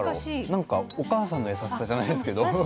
なんかお母さんの優しさじゃないですけど。